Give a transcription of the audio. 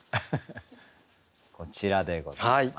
こちらでございます。